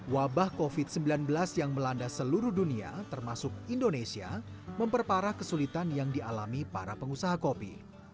wabah covid sembilan belas yang melanda seluruh dunia termasuk indonesia memperparah kesulitan yang dialami para pengusaha kopi